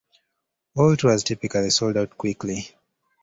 All tours typically sold out quickly.